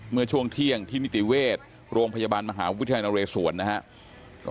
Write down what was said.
เมื่อช่วงเที่ยงที่นิติเวชโรงพยาบาลมหาวิทยาลัยนเรศวรนะครับ